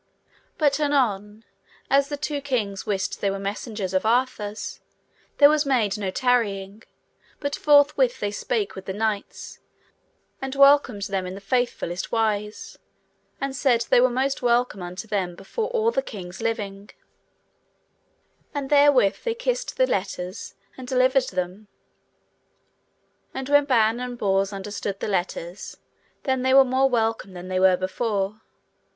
But anon, as the two kings wist they were messengers of Arthur's, there was made no tarrying, but forthwith they spake with the knights, and welcomed them in the faithfullest wise, and said they were most welcome unto them before all the kings living; and therewith they kissed the letters and delivered them. And when Ban and Bors understood the letters, then they were more welcome than they were before.